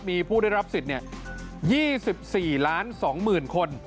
มีผู้ได้รับสิทธิ์๒๔ล้าน๒หมื่นคน